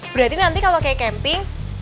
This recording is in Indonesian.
berarti nanti kalau kayak camping